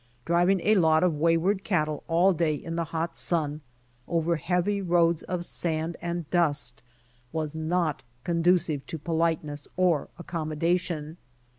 Driving a lot of wayward cattle all day in the hot sun, over heavy roads of sand and dust was not conducive to politeness or accommodation.